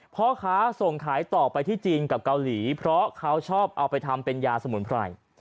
พ่อค้าส่งขายต่อไปที่จีนกับเกาหลีเพราะเขาชอบเอาไปทำเป็นยาสมุนไพร